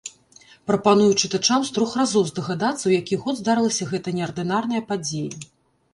Прапаную чытачам з трох разоў здагадацца, у які год здарылася гэта неардынарная падзея.